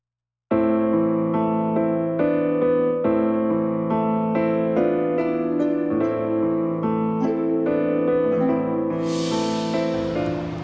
มีพล่า